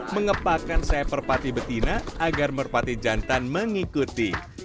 mengepakan sefer pati betina agar merpati jantan mengikuti